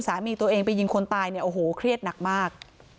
สามีตัวเองไปยิงคนตายเนี่ยโอ้โหเครียดหนักมาก